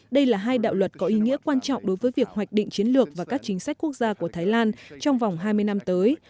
đây là hai đạo luật có ý nghĩa quan trọng đối với việc hoạch định chiến lược và các chính sách quốc gia của thái lan trong vòng hai mươi năm tới